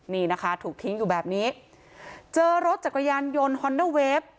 นี่นะคะถูกทิ้งอยู่แบบนี้เจอรถจักรยานยนต์ฮอนเดอร์เวฟ